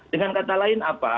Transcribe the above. dengan kata lain apa